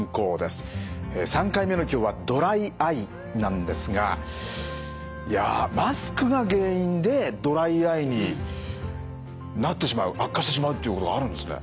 ３回目の今日はドライアイなんですがいやマスクが原因でドライアイになってしまう悪化してしまうっていうことがあるんですね。